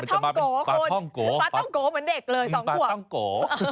ปลาท่องโกปลาท่องโกเหมือนเด็กเลย๒ควบ